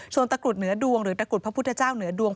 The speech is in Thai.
ชนตกรุษเหนือดวง